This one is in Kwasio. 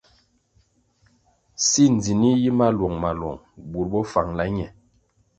Si ndzinih yi maluong-maluong bur bo fangala ñe.